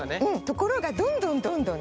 ところがどんどんどんどんね